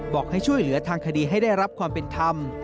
บอกให้ช่วยเหลือทางคดีให้ได้รับความเป็นธรรม